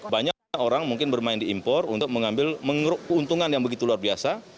banyak orang mungkin bermain di impor untuk mengambil mengeruk keuntungan yang begitu luar biasa